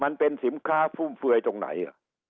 มันเป็นสินค้าฟุ่มเฟือยตรงไหน